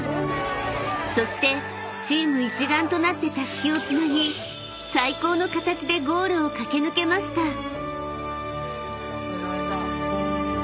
［そしてチーム一丸となってたすきをつなぎ最高の形でゴールを駆け抜けました］